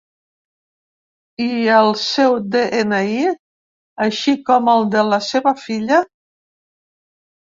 I el seu de-ena-i, així com el de la seva filla?